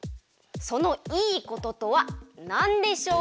そのいいこととはなんでしょう？